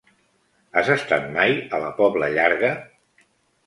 Has estat mai a la Pobla Llarga?